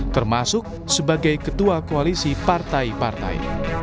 termasuk sebagai ketua koalisi partai partai